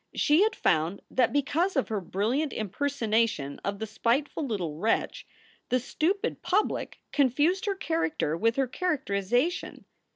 She had found that because of her brilliant impersonation of the spiteful little wretch, the stupid public confused her character with her characterization.